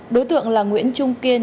đối tượng là nguyễn trung kiên